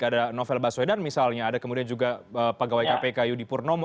ada novel baswedan misalnya ada kemudian juga pegawai kpk yudi purnomo